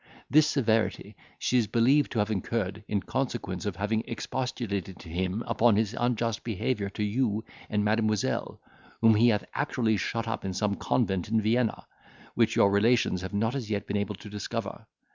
This severity she is believed to have incurred in consequence of having expostulated to him upon his unjust behaviour to you and Mademoiselle, whom he hath actually shut up in some convent in Vienna, which your relations have not as yet been able to discover.